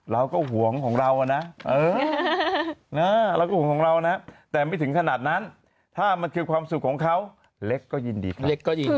เราก็ห่วงของเรานะแต่ไม่ถึงขนาดนั้นถ้ามันคือความสุขของเขาเล็กซ์ก็ยินดีครับ